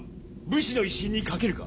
武士の威信に懸けるか？